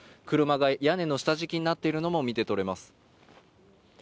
車が屋根の下敷きになっているのも見て取れます。